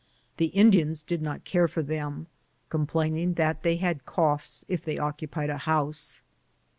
The Indians did not care for them, complaining that they had coughs if they occupied a house.